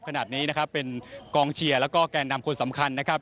ขนาดนี้นะครับเป็นกองเชียร์แล้วก็แก่นำคนสำคัญนะครับ